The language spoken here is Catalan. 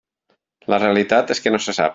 La realitat és que no se sap.